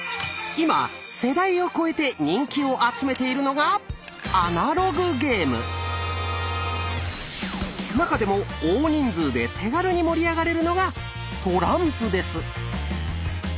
今世代を超えて人気を集めているのが中でも大人数で手軽に盛り上がれるのがトランプです。